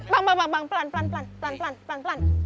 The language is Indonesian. bang bang bang pelan pelan pelan